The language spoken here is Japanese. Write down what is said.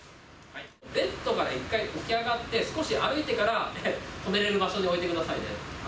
ベッドから一回起き上がって、少し歩いてから、止められる場所に置いてくださいね。